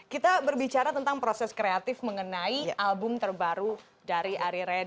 kita berbicara tentang proses kreatif mengenai album terbaru dari ari reddy